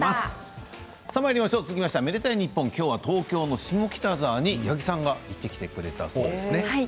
続きましては「愛でたいｎｉｐｐｏｎ」今日は東京の下北沢に八木さんが行ってきてくれたそうですね。